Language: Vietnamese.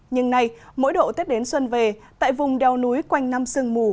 nhưng nay mỗi độ tết đến xuân về tại vùng đèo núi quanh nam sơn mù